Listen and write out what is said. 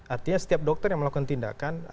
artinya setiap dokter yang melakukan tindakan